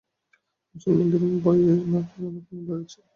মুসলমানের ভয়ে, না আরো কোনো ভয় আছে?